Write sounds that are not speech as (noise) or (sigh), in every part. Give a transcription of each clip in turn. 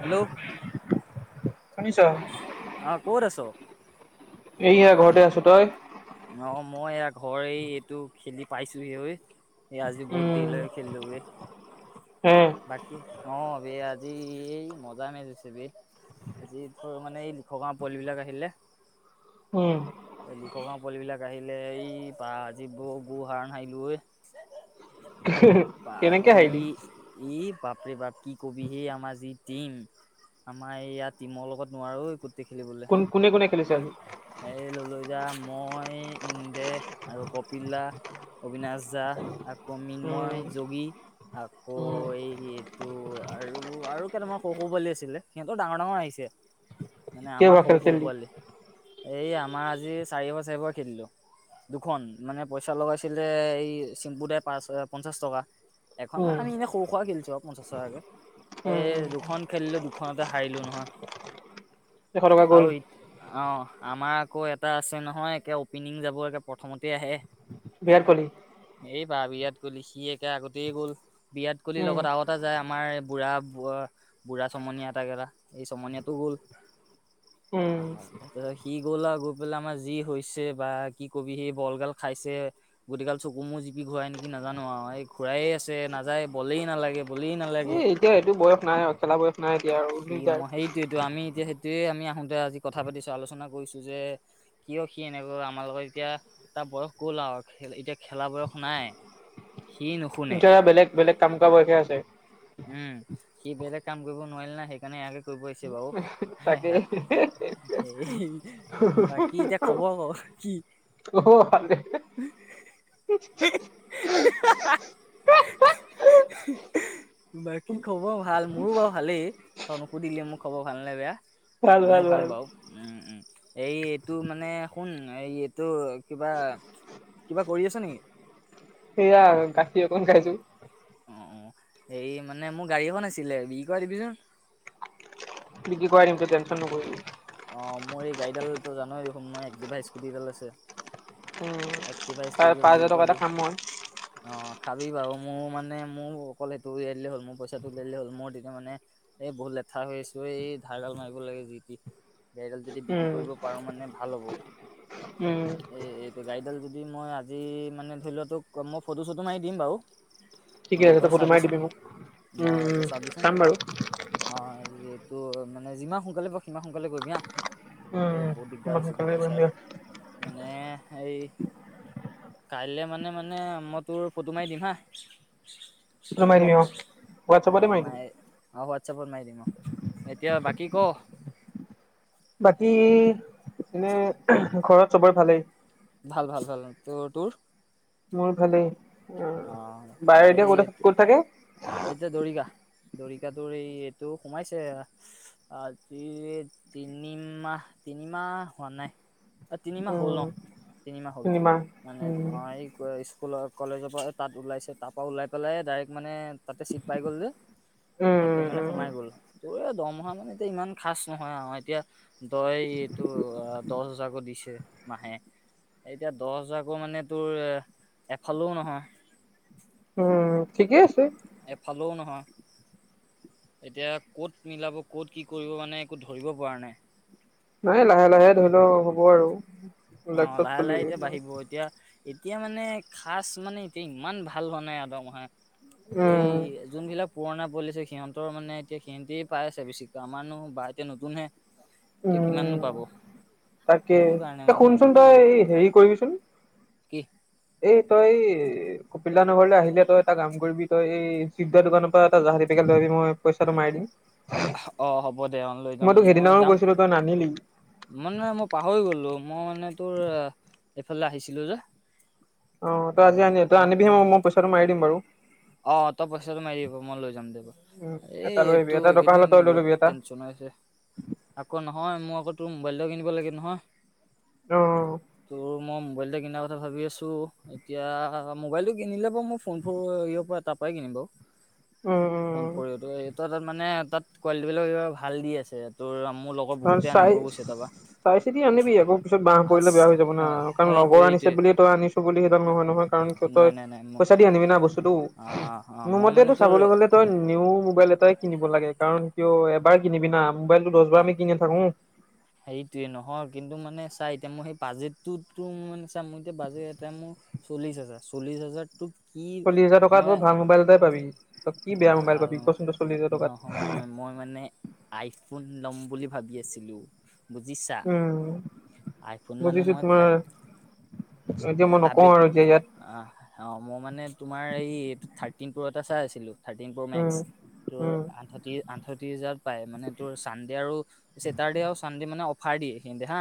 Hello শুনিছ অ কত আছ এইয়া ঘৰতে আছো তই অ মই এ ঘৰ এই এইটো খেলি পাইছো সেই এই আজি বহুত উম দেৰি ল খেলিলো হে বাকী অ ব আজি এই মজা মজিছে বত আজি মানে এই খগাঁৰ পোৱালিবিলাক আহিলে উম এই খগা পোৱলিবিলাক আহিলে এই পা যি গুহাৰণ হাৰিলো কেনেকে বাকী হাৰিলি? এই বাপৰে বাপ কি কবি সেই আমাৰ যি টিম আমাৰ এইয়া টিমৰ লগত নোৱাৰো দেখিবলৈ কোন হে কোনে কোনে খেলিছে আজি? এই লল যা মই ইন্দে আৰু কপিলা অবিনাশ যাহ আকৌ উম মৃন্ময় যোগী আকৌ উম এই এইটো আৰু আৰু তেয়া তোমাৰ সৰু সৰু পোৱালি আছিলে সিহঁতৰ ডাঙৰ ডাঙৰ আহিছে মানে আমাৰ কেইবাৰ সৰু খেল সৰু খেলিলি? পোৱালি এই আমাৰ আজি চাৰি বছৰ খেলিলো দুখন মানে পইচা লগাইছিলে এই চিম্পু দাই পাঁচ পঞ্চাশ টকা এখন মান উম আমি এনেই সৰু সুৰা খেলিছো আৰু পঞ্চাছ টকাকে এ উম উম দুখন খেলিলো দুখনতে হাৰিলো নহয়। এশ টকা গ'ল আৰু এই অ' আমাৰ আকৌ এটা আছে নহয় একে অপেনিং যাব একে প্ৰথমতে আহে (unintelligible) এইবাৰ বিৰাট কোহলি সি একে আগতেই গ'ল বিৰাট কোহলিৰ উম লগত আগতে যায় আমাৰ বুঢ়া বুঢ়া চমনীয়া এটা কেইটা এই চমনীয়াতটো গ'ল অ' উম গ'লা গৈ পেলাই আমাৰ যি হৈছে বা কি কবি সেই বলগাল খাইছে গোতি কাল চকু মোৰ জিপি ঘূৰাই নেকি কি নাজানো আৰু এই ঘূৰায়ে আছে নাযায় বলেই নালাগে বলেই নালাগে এই এতিয়া এইটো বয়স নাই আৰু খেলা বয়স নাই এতিয়া আৰু স ম দিগদাৰ। সেইটোয়টো আমি এতিয়া সেইটোয়ে আমি আহোতে আজি কথা পাতিছো আলোচনা কৈছোঁ যে কিয় সি এনেকৈ আমাৰ লগৰ এতিয়া তাৰ বয়স গ'ল আৰু এতিয়া খেলা বয়স নাই। (inaudible) নুশুনে এতিয়া বেলেগ বেলেগ কাম কৰা বয়স হে উম আছে। সি বেলেগ কাম কৰিব নোৱাৰিলে না সেইকাৰণে এয়াকে কৰিব আহিছে বাৰু তাকে ক এই বাকী এতিয়া খবৰ ক কি অ' ভালেই (inaudible) (unintelligible) বাকী খবৰ ভাল। মোৰো বাৰু ভালেই। তই নুসুধিলেয়ে মো খবৰ ভালনে বেয়া। মোৰ ভাল বাওঁ। উম, উম। এই এইটো মানে শুন, এই এইটো কিবা কিবা কৰি আছ নেকি? এইয়া গাখীৰ অকণ খাইছো। অ', অ', এই মানে মোৰ গাড়ী এখন আছিলে, বিক্ৰী কৰাই দিবিচোন। বিক্ৰী কাৰাই দিম, তই টেনচন নকৰিবি। অ', মোৰ এই গাড়ীডাল তই জানোৱেই দেখোন, মোৰ একটিভা স্কুটি এডাল আছে। উম একটিভা পাঁচ স্কুটিডাল হাজাৰ বিক্ৰী টকা কৰাই এটা দিয়া। খাম মই অ', খাবি বাৰু। মোৰ মানে মোৰ অকল হেইটো উলিয়াই দিলে হ'ল, মোৰ পইচাটো উলিয়াই দিলেই হ'ল। মোৰ তেতিয়া মানে এ বহুত লেঠা হৈ আছো ত এই ধাৰগাল মাৰিব লাগে যি কি গাড়ীডাল যদি বিক্ৰী উম কৰিব পাৰো মানে ভাল হ'ব। উম এই এইটো গাড়ীডাল যদি মই আজি মানে ধৰি লোৱা তোক মই ফটো-চটো মাৰি দিম বাৰু। অ ঠিকে আছে, তই তাই ফটো মাৰি চাবিচোন দিবি মোক। উম, মই উম, তই চাম বাৰু। ত মানে যিমান সোনকালে পাৰ সিমান সোনকালে কৰিবি হা। উম এই বহুত দিগদাৰ মই হৈছেগৈ সোনকালে কৰিম দিয়া পইচাৰ। মানে হেৰি কাইলৈ মানে, মানে মই তোৰ ফটো মাৰি দিম হা। ফটো মাৰি হ'ব। দিবি অ হোৱাটছআপতে অ', মাৰি দিবি মই এই হোৱাটছআপত মাৰি দিম। অ'। এতিয়া বাকী ক। বাকী এনে ঘৰত চবৰে ভালেই? ভাল, ভাল, ভাল। তোৰ-তোৰ? মোৰ ভালেই। উম, বায়ে এতিয়া এই ক'ত আছ-থাকে? এতিয়া দৰিকা দৰিকাটোৰ এই এইটো সোমাইছে, আজি তিনিমাহ তি তিনিমাহ হোৱা নাই। তিনিমাহ হ'ল উম ন তিনিমাহ হল নিমা মানে উম অ' এই স্কুলৰ কলেজত ত তাত ওলাইছে তাৰপৰা ওলাই পেলাই ডাইৰেক্ট মানে তাতে চিট পাই গ'ল যে তাতে উম মানে উম সোমাই গ'ল তোৰ দম মহা মানে এতিয়া ইমান খাচ নহয় আম এতিয়া দয় এইটো দহ হাজাৰকো দিছে ম আহে এতিয়া দহ হজাৰকৈ মানে তোৰ এফালেও নহয়। উম ঠিকে আছে। এফালেও নহয়। এতিয়া ক'ত মিলাব ক'ত কি কৰিব মানে একো ধৰিব পৰা নাই। নাই লাহে লাহে ধৰি লও হব আৰু। অ লাইফত লাহে চলি লাহে এতিয়া বাঢ়িব এতিয়া এতিয়া মানে খাচ মানে এতিয়া ইমান ভাল হোৱা নাই আদা উম'। পুৰণা পলিচছে সিহঁতৰ মানে এতিয়া সিহঁতেই পাই আছে বেছিকৈ আমাৰনো ব বাতে নতুনহে ত কিমাননো উম পাব সেইটো কাৰণে মানে। চোন তই এই হেৰি কৰিবিচোন কি এই তই কপিল্লা নগৰলৈ আহিলে তই এটা কাম কৰিবি তই এই চিৱদাৰ দোকানৰ পৰা এটা জাহাদী মই পইচাটো মাৰি দিম। অ', হব ব দে অ', লৈ যাম তোক মই সেইদিনাও যাম। (unintelligible) মইানে মই পাহৰি গ'লো মই মানে তোৰ এইফালে আহিছিলো যে। অ', তই আজি আনি তই বৰ আনিবি বৰ মই মই পইচাটো মাৰি দিম বাৰু। অ', তই পইচাটো মাৰি দিব মই লৈ যাম। উ এই এটা লৈ আহবি এইটো এটা দোকান এইকেইদিন হল তই লৈ বহুত লবি এটা। টেনচন হৈ আছে আকৌ নহয় মোৰ আগত তোৰ মোবাইল কিন লাগ নহয় অ তোৰ মই ম কিনাৰ কথা ভাবি আছো এতিয়া মোবাইলটো কিনিলে বাৰু মই ফোন ফ তাৰ পৰাই কিনিম বাৰু উম ফোন উম ফৰিতো এই তাত মানে তাত কোৱালিটি বিলাক কিবা ভাল দি আছে তোৰ মোৰ লগত কাৰণ বহুতে চাই আনিব গৈছে তাৰপা। চাই চিতি আনিবি আকৌ পিছত বাহ পৰিলে বেয়া হৈ যাব না কাৰণ লগৰ সেইটোৱে আনিছে সেইটোৱে বুল তই আনিছো বুলি সেইডাল নহয় নহয় কাৰণ তই নাই নাই নাই মই পইচা দি আনিবি না বস্তুতটো অ অ মোৰ মই মানে মতেটো তোৰ চাবলৈ গলে তই নি মোবাইল এটাই কিনিব লাগে কাৰণ কিয় এবাৰ কিনিবি ন মোবাইলটো দহ বাৰ আমি কিনি নাথাকো হেটয়ে নহয় কিন্তু মানে চাই এতিয়া মই সেই বাজেটটোতো ম মানে চাম মোৰ এতিয়া বাজেট এটা মোৰ চল্লিছ হাজাৰ চল্লিছ হাজাৰতোক চল্লিশ হাজাৰ কাত ব ভাল মোবাইল এট পাবি তই কি বেয়া মোবাইল পাবি কচোন ত চল্লিশ হাজাৰ টাত ম মানেই, লম বুলি ভাবি আছিলো। বুজিছা উম আইফোন মানে বুজিছো মই তোমাৰ থাৰ্ট এতিয়া মই নকওঁ আবেগ আৰু এতিয়া ইয়াত অ', অ, ' মই মানে তোমাৰ এই থাৰ্ট প্ৰ এটা চাই আছিলোঁ, থাৰ্টিন প্ৰ মেক্স। উম তোৰ, উম আঠ আঠত্ৰি হাজাত পাই। মানে তোৰ চানডে আৰু চছেটাৰ্ডে আৰু চানডে মানে ফাৰ দি এইখিনি দে হা।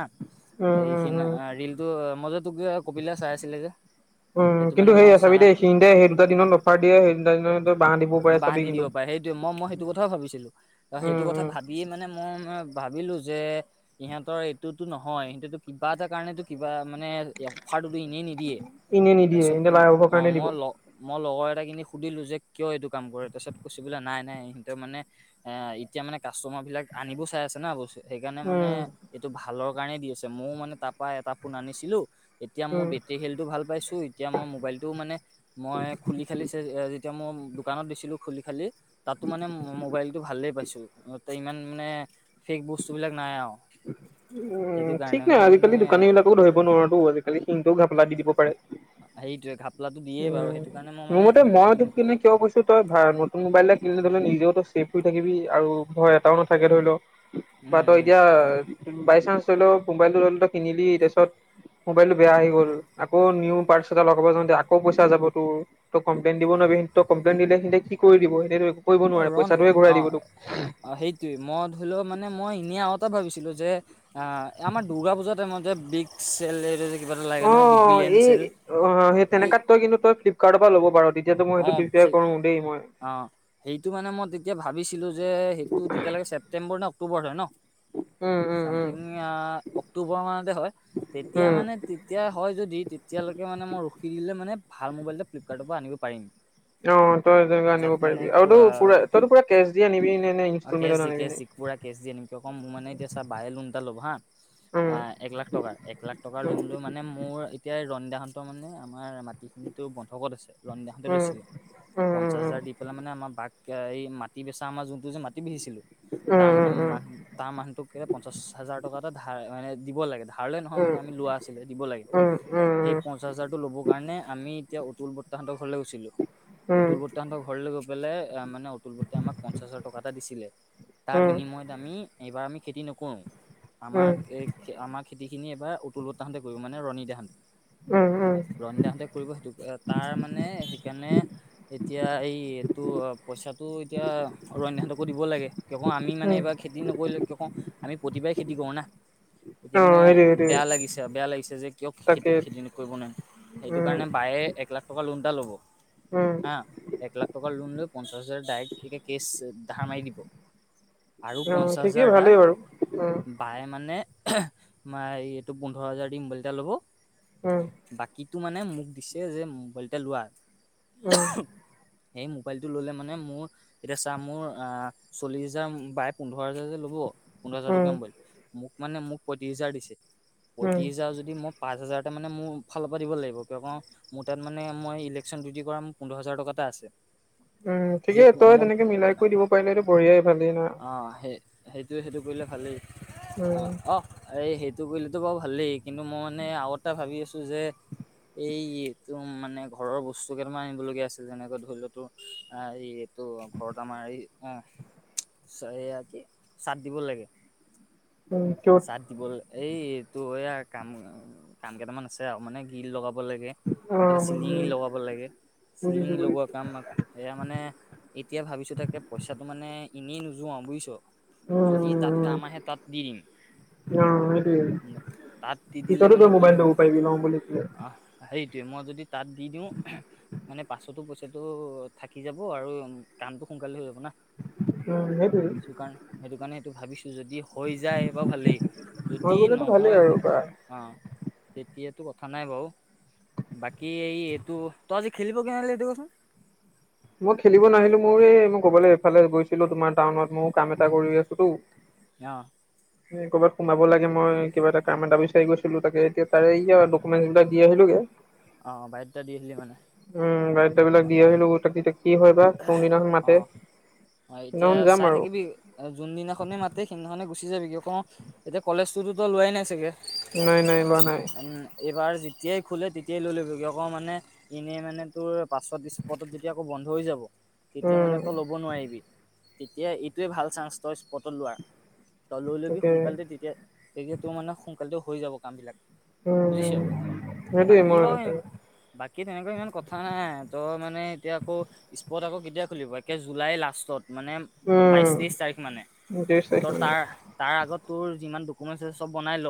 উম উম এইখিনি উম ৰিলটো মই যে তোক কপিলা চাই আছিলে যে উম' সেইটো কিন্তু মানে সেই মই চাহ আছাপি দে এইখিনিতে সেই দুটা দিনত অফাৰ দিয়ে, সেই দুটা দিনত তই বাঁহ দিব পাৰে বাহ চাবি দি কিন্তু দিব পাৰেসেইটোৱে, মই মই সেইটো কথাও ভাবিছিলো সেইটো উম কথা উম ভাবিয়ে মানে মই ভাবিলো যে, ইহঁতৰ এইটোতো নহয়। সিহটো কিবা এটা কাৰণেতো কিবা মানে এনেই নিদিয়ে। এনে নিদিয়ে তাৰপিছত এনে লাভৰ অ, কাৰণে ' দিব মই-মই লগৰ এটাখিনি সুধিলোঁ যে কিয় এইটো কাম কৰে। তাৰপিছত কৈছেো বোলে নাই- নাই সহঁতে মে এতিয়া মানে, কাষ্টমাৰ বিলাক আনিব চাই আছে না অৱশ্যে সেইকাৰণে মানে উম এইটো ভালৰ কাৰণে দি আছে। ময়ও মানে তাৰ পৰাৰা এটা ফোন আনিছিলো এতিয়া মোৰ উম বেটেৰী খেলটো ভাল পাইছো। এতিয়া মই মোবাইলটো মানে মই খুলি-খালি এতিয়া মই দোকানত দিছিলো খুলি-খালি তাতো মানে মোবাইলতটো ভালেই পাইছো। ইমান মানে, শেষ বস্তু বিলাক নাই আৰু সেইটো উম' ঠিক কাৰণে নাই, মই মানে আজিকালি দোকানী বিলাকো ধৰিব নোৱাৰো আজিকালি ঘাপেলা দি দিব পাৰে। অ',। উম' মানে মোৰমতে মই তোক কিনে কিয় কৈছো। তই ভ নতুন মোবাইল কিনে ধৰি ললে, নিজেও তো চছেফ হৈ থাকিবি। আৰু ভয় এটাও নাথাকে ধৰি লও, বা উম তই উম এতিয়া বাই চান্ঞ্চ ধৰি লও মোবাইলটো লৰি ল কিনিলি তাৰিছত মোবাইলতটো বেয়া আহি গ'ল। আকৌ নিউ পাৰ এটা লগাব যাওঁ, আকৌ পইচা যাব তোৰ। ত কমপ্লেইন দিব ন কমপ্লেন দিলে সিন্তে কি কৰি দিব। সেইটো অ, ' ৰণ অ', অ, ' সেইটোৱেই মই ধৰি লওক, মানে মই এনেই আউট ক ভাবিছিলো যে, অ আমাৰ দ দূৰ্গা পূজাতাইম যে বিগ চেল কিবা এটা লাগে অ, নহয় বিগ বিলিয়ন ' এই' চেল অ, ' সেই এই তেনেকাত তই কিন্তু তই ফ্লিপকাৰ্টৰ পৰা ল'ব পাৰ তেতিয়াতো মই সেইটো অ' প্ৰিফাৰ কৰো দেই মই। অ' সেইটো মানে মই, এতিয়া ভাবিছিলো যে, সেইটো তেতিয়ালৈকে ছেপ্টম্বৰ ন অক্টোবৰ হয় ন um, um, um, something October মানতে হয়, তেতিয়া উম। মানে, তেতিয়া হয় যদি তেতিয়ালৈকে মানে মই ৰখি দিল মে, ভাল মোবাইল এ ফ্লিপকাৰ্টৰ পৰা আনিব পাৰিম। অ' তই তেনেকুৱা আনিব তাত মানে পাৰিবি। আৰু কোৱা তই পুৰা তইো পুৰা কেছ দিয় আনিবি নে? নে কেচ ইনষ্টলমেন্টত দি আনিবি কেচ নি? দি পুৰা কেচ দিয়ে। এনেকে ক মানে এতিয়া চা বাহে লোন এটা ল'ব হা উম অ', এক লাখ টকা, এক লাখ টকা লোন লৈ মানে মোৰ এতিয়া ৰনীদাত মানে, আমাৰ মাটি খিনিতো বন্ধকত আছে। ৰণীডাহঁতে উম লৈছিলে। উম উম পঞ্চাছ হাজাৰ দি পেলাই মানে আমাৰ বাঘ (unintelligible) মাটি বেচা আমাৰ যোনটো যে মাটি বেচিছিলো। তাৰ মানে, মান উম তাৰ মানুহটোক এ' পঞ্চাশ হাজাৰ টকা এটা ধ মানে, দিব লাগে ধ নহয় উম উম মানে আমি লোৱা আছিলে দিব লাগে। উম উম উম উম সেই উম পঞ্চা হাজাৰতটো লব কাৰণে আমি এতিয়া অতুল তাহাতৰ ঘৰলৈ গৈছিলো, উম অতুল বৰ্তাহঁতৰ ঘৰলৈ গৈ পেলাই। এ' মানে অতুল বটে আমাক পঞ্চাশ হাজাৰ টকা এটা দিছিলে। তাৰ বিনিময়ত আমি, এইবাৰ আমি খেতি নকৰোঁ। আমাৰ-আমাৰ খেতিখিনি এবাৰ অতুল ব তাহাঁতে কৰিব। মানে ৰণী তাহাঁতে উম উম ৰণ দাহঁতে কৰিব সেইটো। তাৰ মানে, সেইকাৰণে এতিয়া এই-এইটো পইচাটো এতিয়া অৰণ্য দিব লাগে। কিয় কওঁ, আমি উম মানে এইবাৰ খেতি নকৰিলে। কিয় কওঁ আমি প্ৰতিবাৰে খেতি কৰো না। এতিয়া অ মানে সেইটোৱে সেইটোৱে বেয়া লাগিছে, বেয়া লাগিছে যে, কিয় তাকে খেতি-খেতি কৰিব নোৱাৰিম। সেইটো উম কাৰণে বায়ে এককলাখ ল' উম এক লা (unintelligible) ট ল লৈ পাছ হাজ কেছ ধাৰ মাৰি দিব আৰু অ পঞ্চাছ ঠিকেই হাজাৰটা ভালেই বাৰু উম বাই মানে ম এই এইটো পোন্ধৰ হাজাৰ দি মোবাইল এটা ল'ব উম বাকী তটো মানে মোক দিছে যে মোবাইল এটা লোৱা উম সেই মোবাইলটো ললে মানে মোৰ এতিয়া ছাৰ মোৰ অ চল্লিশ হাজাৰ বাই পোন্ধৰ হাজাৰ যে ল'ব পোন্ধৰ হাজাৰ উম টকীয়া মোবাইল মোক মানে মোক পঁত্ৰিছ হাজাৰ দিছে উম পঁত্ৰিছ হাজাৰ যদি মোক পাঁচ হাজাৰতে মানে মোৰ ফালৰ পৰা দিব লাগিব কিয় ক মোৰ তাত মানে মই ইলেকশ্যন ডিউটি কৰা মোৰ পোন্ধৰ হাজাৰ টকা এটা আছে উম সেই ঠিকেই তই মই তেনেকে মিলাই কৰি দিব পাৰিলি এইটো বঢ়িয়াই ভালেই না অঁ সেই সেইটো সেইটো কৰিলে ভালেই অ উম অ এই সেই সেইটো কৰিলেতো বাৰু ভালেই কিন্তু মই মানে আগতে ভাবি আছোঁ যে এই টো মানে ঘৰৰ বস্তু কেইটামান আনিব লগগীয়া আছিল যেনেকৈ ধৰি লতো অ এই এইটো ঘৰত আমাৰ অ সয়া কি চাদ দিব লাগে উম তোৰ চাৰাদ দিব এই তো এই আৰু কাম কাম কেইটামান আছে আৰু মানে গিল লগাব লাগে অ এইফালে চিলিং বুজিছো লগাব লাগে চিলিং বুজিছো লগোৱা বুজিছো কাম আক সেয়া মানে এতিয়া ভাবিছো তাকে পইচাটো মানে এনেই নোযোৱা বুজিছ উম, যদি তাত উম, কাম আহে তাত দি দিম অ সেইটোয়ে তাত দি দিলে পিছতো মানে তোৰ কি হ'ব মোবাইলটো লব পাৰাবি লওঁ বুলি কলে আহ মই সেইটোৱে যদি তাত দি দিওঁ মানে পাছতো পইচাটো থাকি যাব আৰু কামতটো সোনকালে হৈ যাব ন উম, সেইটোৱে সেইটো কাৰণে সেইটো কাৰণে সেইটো ভাবিছো যদি হৈ যায় বা ভালেই হৈ যদি গ'লেতো ভালেই নহয় গ আৰু বা অ তেতিয়াতো কথা কথা নাই বাৰু বাকী এই এইটো তই আজি খেলিব ক নিল দিবচোন মই খেলিব নাহিলো মোৰ এই মই কবলৈ এইফালে গৈছিলো তোমাৰ টাউনত মই কাম এটা কৰি আছোটো। অ'। ক'ৰবাত সোমাব লাগে মই কিবা এটা কাম এটা বিচাৰি গৈছিলো তাকে এতিয়া তাৰে আৰু ডকুমেন্ট বিলাক দি আহিলোগে। অ বায়'ডাটা দি আহিলি মানে উম (unintelligible) বিলাক দি আহিলো। তাকে এতিয়া কি হয় বা কোনদিনাখন মাতে। হয় এতিয়া সেইদিনাখন যাম চাই আৰু। থাকিবি যোনদিনাখনে মাতে সেইদিনাখনে গুচি যাবিগে কো এতিয়া কলেজ টোতোতো লোৱাই নাই চাগে। নাই নাই লোৱা নাই। উম, এইবাৰ যেতিয়াই খোলে তেতিয়াই লৈ ল'ব কি আকৌ মানে এনেই মানে তোৰ পাছত স্পটত যেতিয়া আকৌ বন্ধ হৈ যাব তেতিয়া উম, মানে তই ল'ব নোৱাৰিবি তেতিয়া এইটোৱে ভাল চান্স তই স্পটত লোৱাৰ। তই লৈ‌ লবি তাকে সোনকালতে তেতিয়া তেতি তোৰ মানে সোনকালতে হৈ যাব কাম বিলাক। বুজিছ উম, সেইটোৱে বাকী মই বাৰু নে বাকী তেনেকুৱা ইমান কথা নাই তই মানে এতিয়া আকৌ স্পট আকৌ কেতিয়া খুলিব একে জুলাই লাষ্টত মানে বাইশ তেইশ উম, তাৰিখ মানে ত্ৰিশ তাৰিখ ত' মানে। তাৰ তাৰ আগত তোৰ যিমান ডকুমেন্ট আছে চব বনাই ল।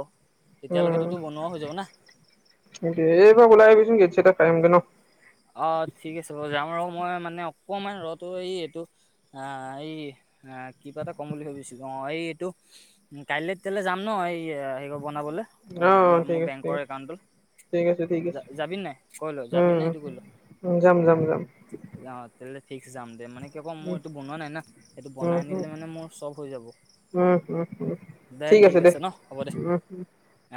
তেতিয়ালৈকেতো তোৰ বনোৱা হৈ যাব না। উম এবাৰ ওলাই আহিবিচোন গেট (unintelligible) অ' ঠিক আছে বাৰু যাম আৰু। মই মানে অকণমান ৰটো এই এইটো অ' এই অ' কিবা এটা ক'ম বুলি ভাবিছিলো অ'। অ' এই এইটো উ কাইলৈ তেতিয়াহাললে যাম ন এই বনাবলৈ অ', ঠিক মোৰ বেং আছে, একা ঠিক আছে, ঠিক আছে, ঠিক আছে, যাবি নাই কৈ ল যাবি নে নাই সেইটো কৈ উম, ল। যাম যাম যাম। অ ফিক্স দাম দ মানে ত ক মোৰ উম, এইটো বনোৱা নাই না এইটো উম, বনাই উম, আনিলে মানে মোৰ চব হৈ যাব উম, উম, ঠিক আছে দে। অ